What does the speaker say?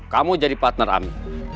kamu jadi partner ami